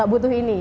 gak butuh ini